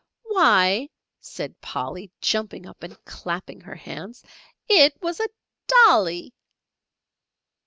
"Why," said Polly, jumping up and clapping her hands, "it was a Dolly."